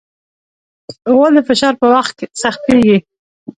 غول د فشار په وخت سختېږي.